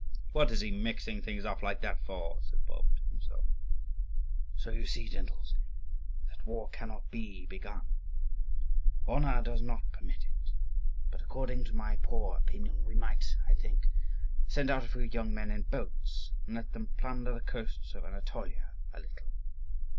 "What is he mixing things up like that for?" said Bulba to himself. "So you see, gentles, that war cannot be begun; honour does not permit it. But according to my poor opinion, we might, I think, send out a few young men in boats and let them plunder the coasts of Anatolia a little.